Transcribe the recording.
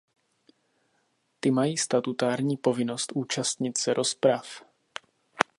Ty mají statutární povinnost účastnit se rozprav.